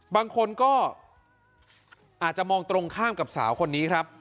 บางคนก็อาจจะมองตรงข้ามกับสาวคนนี้ครับ